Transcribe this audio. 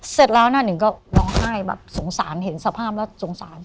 เสร็จแล้วหน้าหนึ่งก็ร้องไห้แบบสงสารเห็นสภาพแล้วสงสาร